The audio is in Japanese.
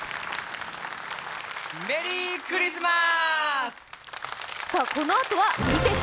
メリークリスマス！